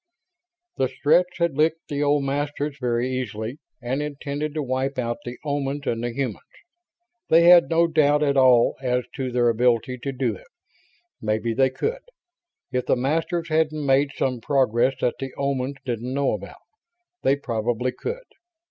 The Stretts had licked the old Masters very easily, and intended to wipe out the Omans and the humans. They had no doubt at all as to their ability to do it. Maybe they could. If the Masters hadn't made some progress that the Omans didn't know about, they probably could.